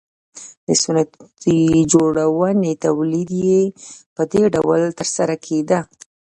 د ستنې جوړونې تولید یې په دې ډول ترسره کېده